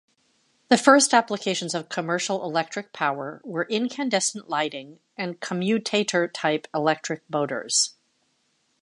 The first applications of commercial electric power were incandescent lighting and commutator-type electric motors.